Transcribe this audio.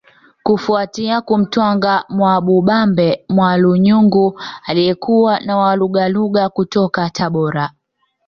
Kufuatia kumtwanga Mwamubambe Mwalunyungu aliyekuwa na walugaluga kutoka Tabora